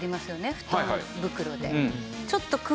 布団袋で。